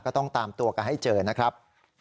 ก็ต้องตามตัวกันให้เจอนะครับ